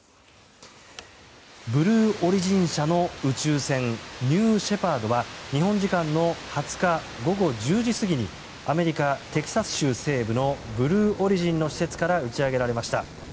ブルー・オリジン社の宇宙船「ニューシェパード」は日本時間の２０日午後１０時過ぎにアメリカ・テキサス州西部のブルー・オリジンの施設から打ち上げられました。